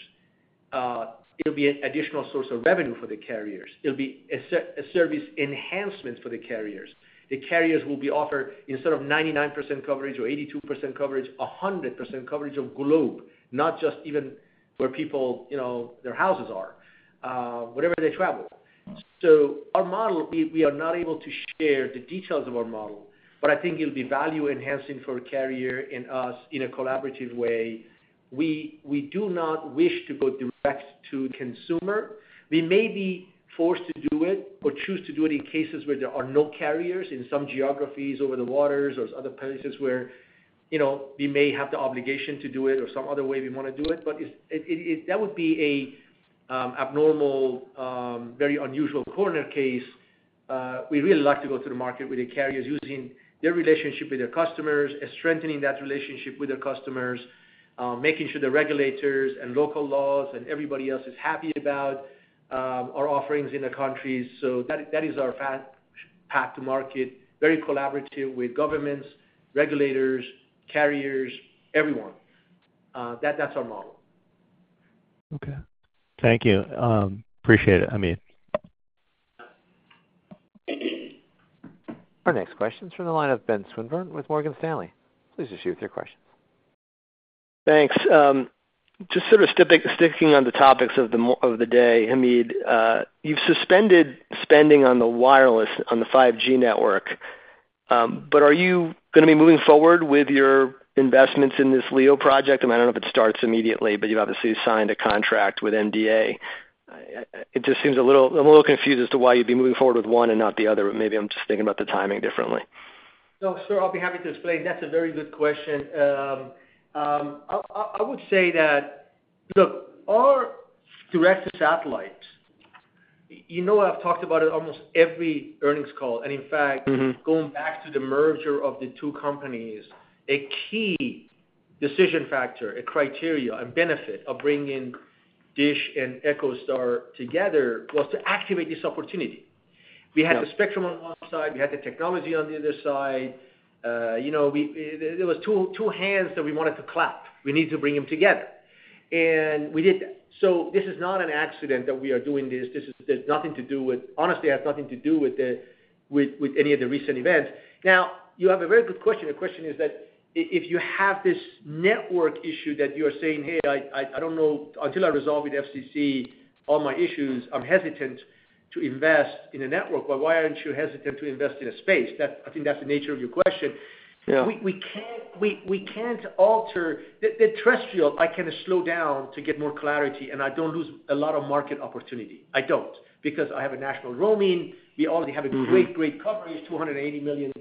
It will be an additional source of revenue for the carriers. It will be a service enhancement for the carriers. The carriers will be offered, instead of 99% coverage or 82% coverage, 100% coverage of Globe, not just even where people, you know, their houses are, wherever they travel. Our model, we are not able to share the details of our model, but I think it will be value enhancing for a carrier and us in a collaborative way. We do not wish to go direct to consumer. We may be forced to do it or choose to do it in cases where there are no carriers in some geographies over the waters or other places where we may have the obligation to do it or some other way. We want to do it, but that would be a abnormal, very unusual corner case. We really like to go to the market with the carriers using their relationship with their customers, strengthening that relationship with their customers, making sure the regulators and local laws and everybody else is happy about our offerings in the country. That is our fan path to market. Very collaborative with governments, regulators, carriers, everyone. That's our model. Okay, thank you. Appreciate it. Hamid. our next question is from the line of Ben Swinburne with Morgan Stanley. Please proceed with your questions. Thanks. Just sort of sticking on the topics of the day. Hamid, you've suspended spending on the wireless on the 5G network, but are you going to be moving forward with your investments in this LEO project? I don't know if it starts immediately, but you've obviously signed a contract with MDA Space. It just seems a little confused as to why you'd be moving forward with. One and not the other. Maybe I'm just thinking about the timing differently. Sure, I'll be happy to explain. That's a very good question. I would say that look, our directed satellites, you know, I've talked about it almost every earnings call and in fact going back to the merger of the two companies, a key decision factor, a criteria and benefit of bringing DISH and EchoStar together was to activate this opportunity. We had the spectrum on one side, we had the technology on the other side. There were two hands that we wanted to clap. We need to bring them together and we did that. This is not an accident that we are doing this. It honestly has nothing to do with any of the recent events. Now you have a very good question. The question is that if you have this network issue that you are saying, hey, I don't know until I resolve with the FCC all my issues, I'm hesitant to invest in a network. Why aren't you hesitant to invest in space? I think that's the nature of your question. We can't alter the terrestrial. I can slow down to get more clarity and I don't lose a lot of market opportunity. I don't because I have national roaming. We already have great, great coverage. +280 million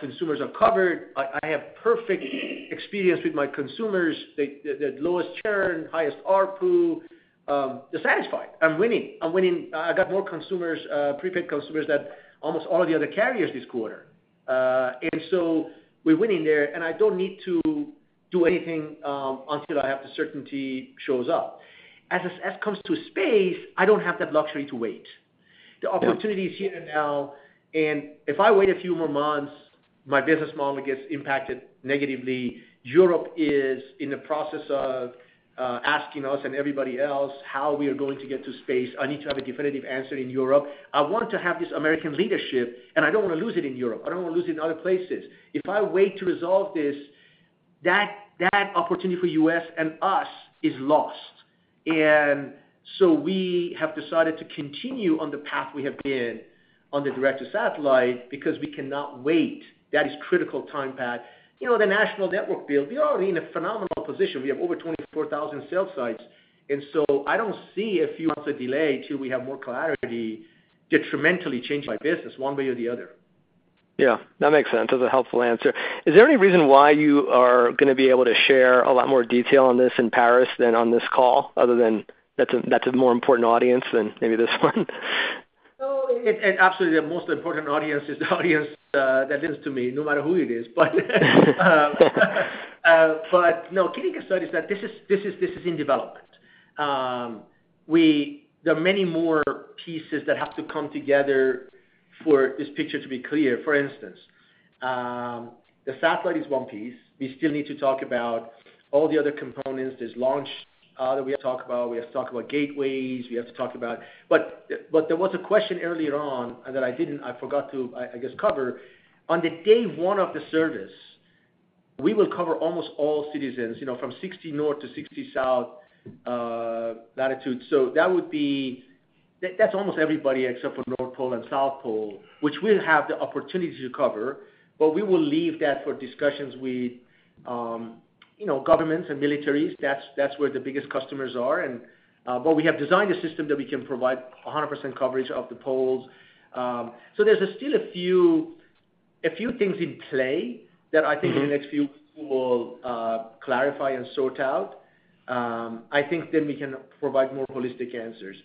consumers are covered. I have perfect experience with my consumers. The lowest churn, highest ARPU. They're satisfied. I'm winning, I'm winning. I got more consumers, prepaid consumers than almost all of the other carriers this quarter. We win in there and I don't need to do anything until I have the certainty. As it comes to space, I don't have that luxury to wait. The opportunity is here now. If I wait a few more months, my business model gets impacted negatively. Europe is in the process of asking us and everybody else how we are going to get to space. I need to have a definitive answer in Europe. I want to have this American leadership and I don't want to lose it in Europe. I don't want to lose it in other places. If I wait to resolve this, that opportunity for us and U.S. is lost. We have decided to continue on the path we have been on the direct to satellite because we cannot wait. That is critical time path. The national network build, we are already in a phenomenal position. We have over 24,000 cell sites. I don't see a few months of delay until we have more clarity detrimentally changing our business one way or the other. Yeah, that makes sense. That's a helpful answer. Is there any reason why you are? Going to be able to share a lot more detail on this in Paris than on this call, other than that's a more important audience than maybe this one. Absolutely. The most important audience is the audience that listens to me no matter who it is. No kidding aside, this is in development. There are many more pieces that have to come together for this picture to be clear. For instance, the satellite is one piece. We still need to talk about all the other components. There's launch that we have to talk about. We have to talk about gateways we have to talk about. There was a question earlier on that I didn't, I forgot to cover on the day one of the service. We will cover almost all citizens from 60 north-60 south latitudes. That is almost everybody except for North Pole and South Pole, which we have the opportunity to cover. We will leave that for discussions with governments and militaries. That is where the biggest customers are. We have designed a system that we can provide 100% coverage of the poles. There are still a few things in play that I think in the next few will clarify and sort out. I think then we can provide more holistic answers.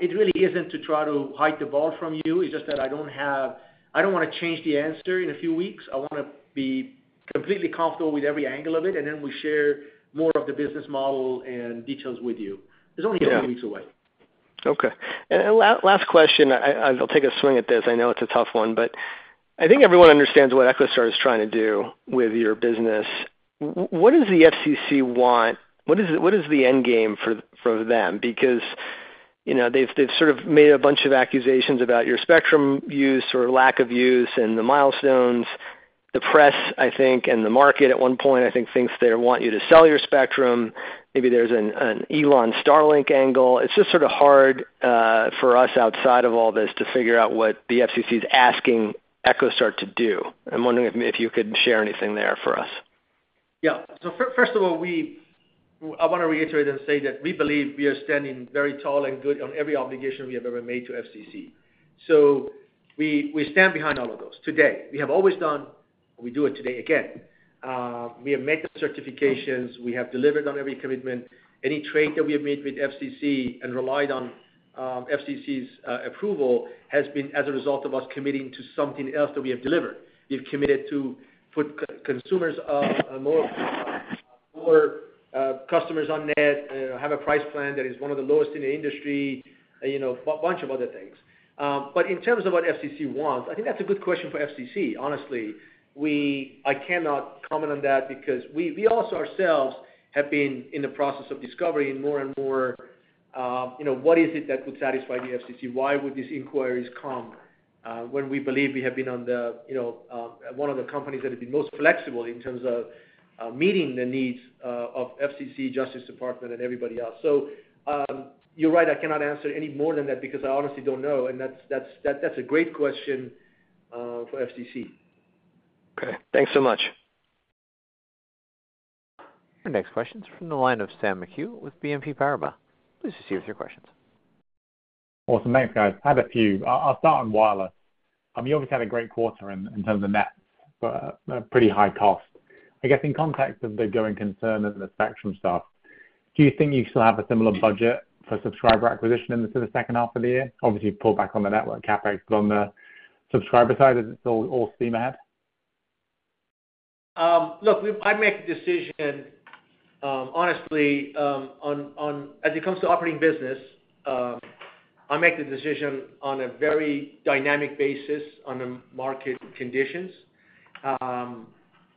It really isn't to try to hide the ball from you. I just don't want to change the answer in a few weeks. I want to be completely comfortable with every angle of it. Then we share more of the business model and details with you. It's only a few weeks away. Okay. Last Question. I'll take a swing at this. I know it's a tough one. I think everyone understands what EchoStar is trying to do with your business. What does the FCC want? What is the end game for them? Because they've sort of made a bunch of accusations about your spectrum use or lack of use. The milestones, the press, I think, and the market at one point, I think they want you to sell your spectrum. Maybe there's an Starlink angle. It's just sort of hard for us outside of all this to figure out what the FCC is asking EchoStar to do. I'm wondering if you could share anything there for us. Yeah. First of all, I want to reiterate and say that we believe we are standing very tall and good on every obligation we have ever made to the FCC. We stand behind all of those today. We have always done that. We do it today again. We have met the certifications. We have delivered on every commitment. Any trade that we have made with the FCC and relied on the FCC's approval has been as a result of us committing to something else that we have delivered. We've committed to put consumers, more customers on net, have a price plan that is one of the lowest in the industry, a bunch of other things. In terms of what the FCC wants, I think that's a good question for the FCC. Honestly, I cannot comment on that because we also ourselves have been in the process of discovering more and more what is it that would satisfy the FCC. Why would these inquiries come when we believe we have been one of the companies that have been most flexible in terms of meeting the needs of the FCC, Justice Department, and everybody else. You're right, I cannot answer any more than that because I honestly don't know. That's a great question for the FCC. Ok, thanks so much. Our next question's from the line of Sam McHugh with BNP Paribas Asset Management. Please proceed with your questions. Awesome. Thanks guys. I had a few. I'll start on wireless. You obviously had a great quarter in terms of nets, but pretty high cost, I guess. In context of the going concern. The spectrum stuff, do you think you still have a similar budget for subscriber acquisition into the second half of the year? Obviously, pull back on the network CapEx, but on the subscriber side, is it all steam ahead? Look, I make a decision honestly as it comes to operating business, I make the decision on a very dynamic basis on the market conditions.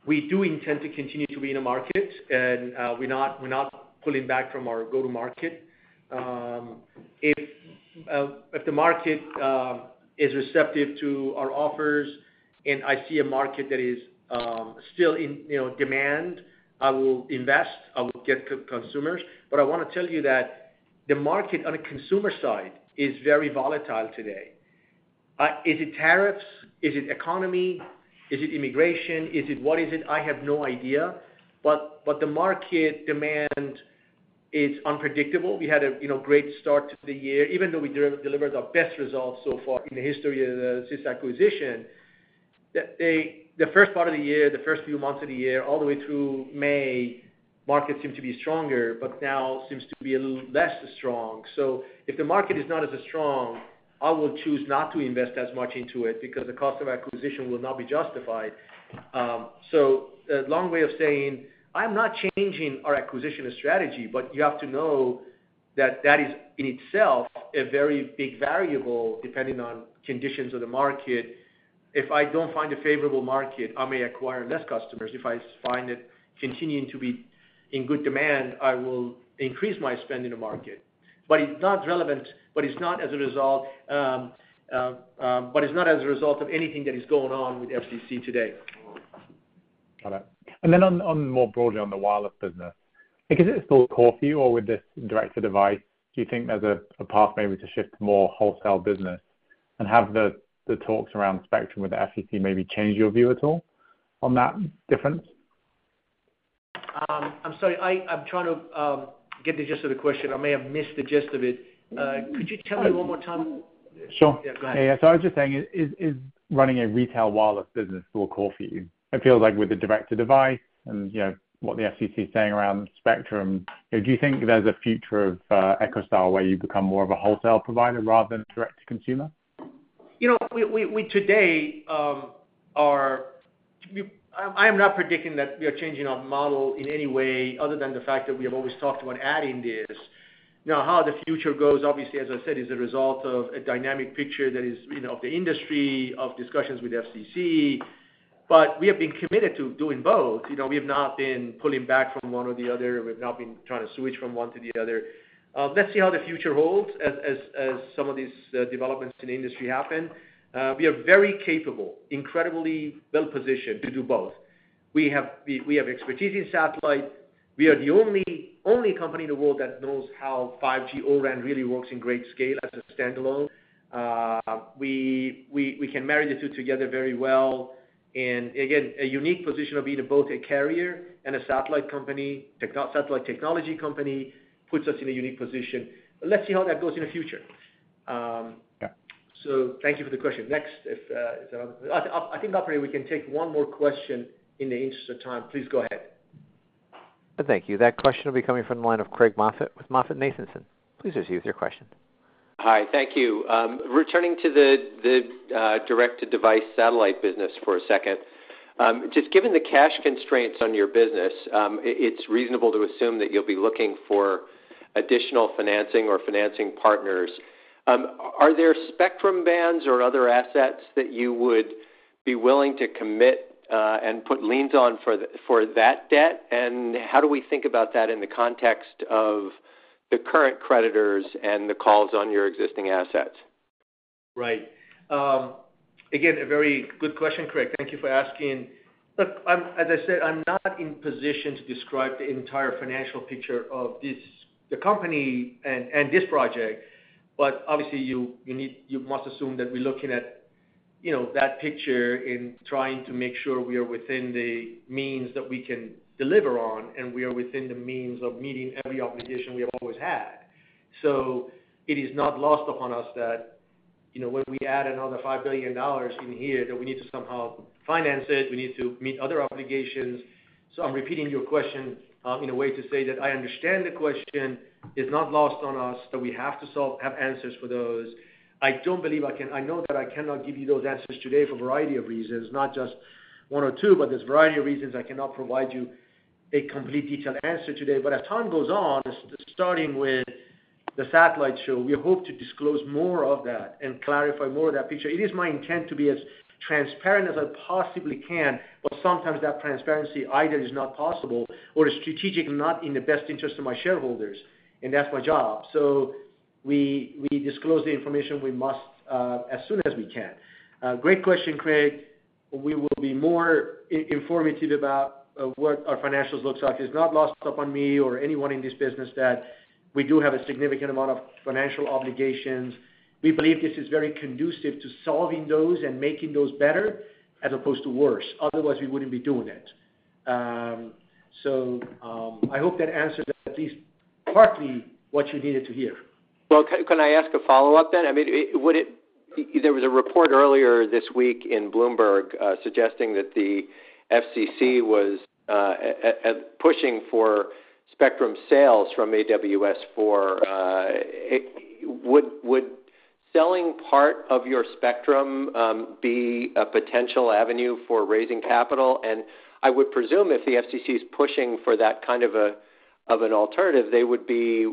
We do intend to continue to be in the market and we're not pulling back from our go to market. If the market is receptive to our offers and I see a market that is still in demand, I will invest, I will get consumers. I want to tell you that the market on a consumer side is very volatile today. Is it tariffs? Is it economy, is it immigration? Is it, what is it? I have no idea. The market demand is unpredictable. We had a great start to the year, even though we delivered our best results so far in the history of this acquisition. The first part of the year, the first few months of the year all the way through May, market seemed to be stronger, but now seems to be a little less strong. If the market is not as strong, I will choose not to invest as much into it because the cost of acquisition will not be justified. A long way of saying I'm not changing our acquisition strategy. You have to know that that is in itself a very big variable, depending on conditions of the market. If I don't find a favorable market, I may acquire less customers. If I find it continuing to be in good demand, I will increase my spend in the market. It's not relevant. It's not as a result. It's not as a result of anything that is going on with FCC today. More broadly on the wireless business, is it still core for you or with this direct to device, do you think there's a path maybe to shift more wholesale business and have the talks around spectrum with the FCC maybe change your view at all on that difference? I'm sorry, I'm trying to get the gist of the question. I may have missed the gist of it. Could you tell me one more time? Sure. Is running a retail wireless business still a call for you? It feels like with the direct to device and what the FCC is saying around spectrum, do you think there's a future of EchoStar where you become more of a wholesale provider rather than direct to consumer? We today are, I am not predicting that we are changing our model in any way other than the fact that we have always talked about adding this. How the future goes, obviously, as I said, is a result of a dynamic picture that is of the industry, of discussions with the FCC. We have been committed to doing both. We have not been pulling back from one or the other. We have not been trying to switch from one to the other. Let's see how the future holds as some of these developments in industry happen. We are very capable, incredibly well positioned to do both. We have expertise in satellite. We are the only company in the world that knows how 5G O-RAN really works in great scale as a standalone. We can marry the two together very well. Again, a unique position of being both a carrier and a satellite company. Satellite technology company puts us in a unique position. Let's see how that goes in the future. Thank you for the question...Thanks. Next is I think, operator, we can take one more question in the interest of time. Please go ahead. Thank you. That question will be coming from the line of Craig Moffett with MoffettNathanson. Please review your question. Hi. Thank you. Returning to the direct-to-device satellite business for a second, just given the cash constraints on your business, it's reasonable to assume that you'll be looking for additional financing or financing partners. Are there spectrum bands or other assets? That you would be willing to commit and put liens on for that debt? How do we think about that in the context of the current creditors and the calls on your existing assets? Right. Again, a very good question, Craig. Thank you for asking. As I said, I'm not in position to describe the entire financial picture of the company and this project, but obviously you must assume that we're looking at that picture in trying to make sure we are within the means that we can deliver on. We are within the means of meeting every obligation we have always had. It is not lost upon us that when we add another $5 billion in here that we need to somehow finance it, we need to meet other obligations. I'm repeating your question in a way to say that I understand the question is not lost on us, that we have to have answers for those. I know that I cannot give you those answers today for a variety of reasons, not just one or two, but there's a variety of reasons. I cannot provide you a complete, detailed answer today. As time goes on, starting with the satellite show, we hope to disclose more of that and clarify more of that picture. It is my intent to be as transparent as I possibly can. Sometimes that transparency either is not possible or strategically not in the best interest of my shareholders. That's my job. We disclose the information we must as soon as we can. Great question, Craig. We will be more informative about what our financials look like. It's not lost upon me or anyone in this business that we do have a significant amount of financial obligations. We believe this is very conducive to solving those and making those better as opposed to worse. Otherwise we wouldn't be doing it. I hope that answers at least partly what you needed to hear. Can I ask a follow up then? I mean, there was a report earlier this week in Bloomberg suggesting that the FCC was pushing for spectrum sales from AWS-4. Would selling part of your spectrum be a potential avenue for raising capital? I would presume if the FCC is pushing for that kind of an alternative, they would be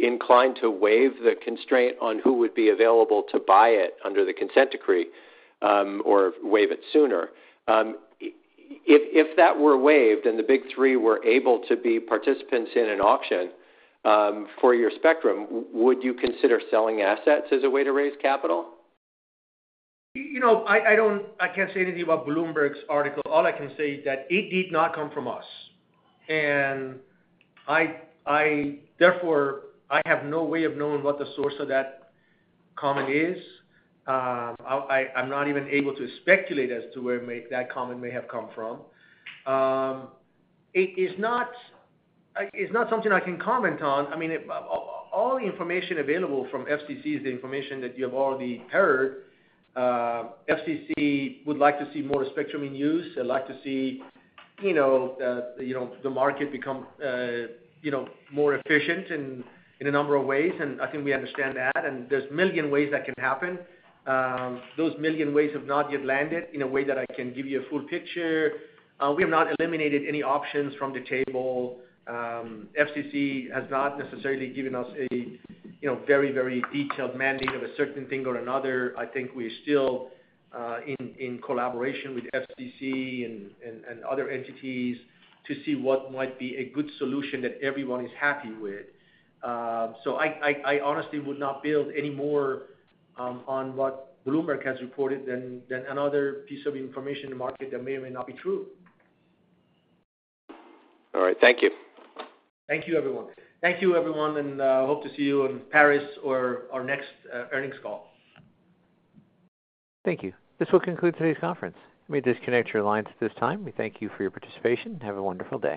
inclined to waive the constraint on who would be available to buy it under the consent decree or waive it sooner. If that were waived and the big three were able to be participants in an auction for your spectrum, would you consider selling assets as a way to raise capital? You know, I can't say anything about Bloomberg's article. All I can say is that it did not come from us. Therefore, I have no way of knowing what the source of that comment is. I'm not even able to speculate as to where that comment may have come from. It is not something I can comment on. I mean, all the information available from the FCC, the information that you have already heard, the FCC would like to see more spectrum in use. They'd like to see the market become more efficient in a number of ways. I think we understand that. There are a million ways that can happen. Those million ways have not yet landed in a way that I can give you a full picture. We have not eliminated any options from the table. The FCC has not necessarily given us a very, very detailed mandate of a certain thing or another. I think we're still in collaboration with the FCC and other entities to see what might be a good solution that everyone is happy with. I honestly would not build any more on what Bloomberg has reported than another piece of information in the market that may or may not be true. All right, thank you. Thank you everyone. Hope to see you in Paris or our next earnings call. Thank you. This will conclude today's conference. You may disconnect your lines at this time. We thank you for your participation. Have a wonderful day.